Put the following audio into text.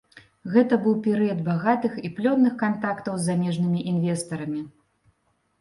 Гэта быў перыяд багатых і плённых кантактаў з замежнымі інвестарамі.